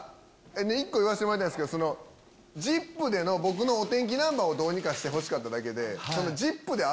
１個言わせてもらいたいんすけど『ＺＩＰ！』での僕のお天気ナンバーをどうにかしてほしかっただけで。